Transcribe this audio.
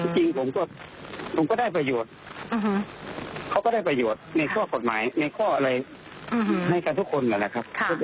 จริงผมก็ผมก็ได้ประโยชน์เขาก็ได้ประโยชน์ในข้อกฎหมายในข้ออะไรให้กันทุกคนนะครับ